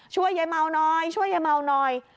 ช่วยยายเมาหน่อยช่วยยายเมาหน่อย